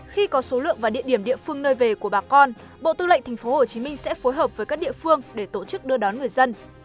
khi có số lượng và địa điểm địa phương nơi về của bà con bộ tư lệnh tp hcm sẽ phối hợp với các địa phương để tổ chức đưa đón người dân